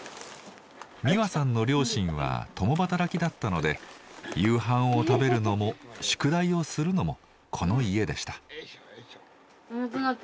実和さんの両親は共働きだったので夕飯を食べるのも宿題をするのもこの家でした。